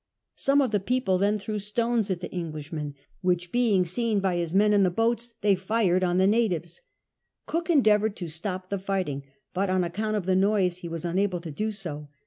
Some of the ]>eople then threw stones at the Englishman, wliic.h being seen by his men in the boats, they fired on the natives, (Jook en deavoured to stop the firing, but on account of the noise he was unable to do so.